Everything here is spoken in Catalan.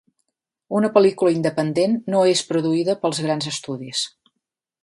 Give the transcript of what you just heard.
Una pel·lícula independent no és produïda pels grans estudis.